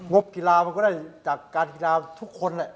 บกีฬามันก็ได้จากการกีฬาทุกคน